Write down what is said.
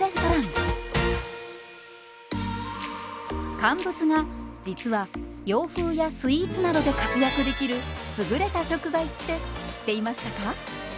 乾物が実は洋風やスイーツなどで活躍できる優れた食材って知っていましたか？